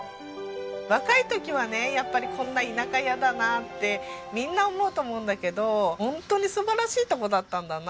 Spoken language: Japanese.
若い時はねやっぱりこんな田舎やだなってみんな思うと思うんだけどホントに素晴らしいとこだったんだなって。